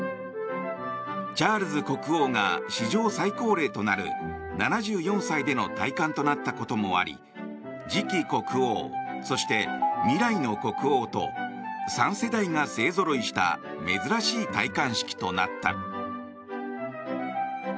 チャールズ国王が史上最高齢となる７４歳での戴冠となったこともあり次期国王、そして未来の国王と３世代が勢ぞろいした珍しい戴冠式となった。